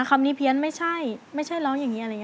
คำนี้เพียนไม่ใช่ไม่ใช่ร้องอย่างนี้